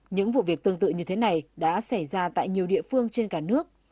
những vụ việc tương tự như thế này đã xảy ra tại nhiều địa phương trên cả nước